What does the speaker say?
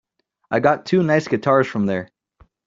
I got two nice guitars from there.